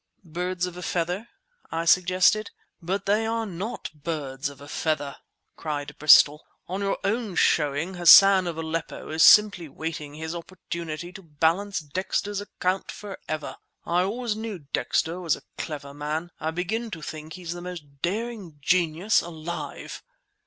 "Birds of a feather—" I suggested. "But they are not birds of a feather!" cried Bristol. "On your own showing, Hassan of Aleppo is simply waiting his opportunity to balance Dexter's account forever! I always knew Dexter was a clever man; I begin to think he's the most daring genius alive!"